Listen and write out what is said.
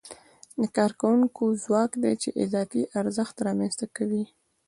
د کارکوونکو ځواک دی چې اضافي ارزښت رامنځته کوي